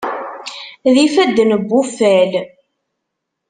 D ifadden n wuffal.